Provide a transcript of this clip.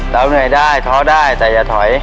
เราเหนื่อยได้ท้อได้แต่อย่าถอย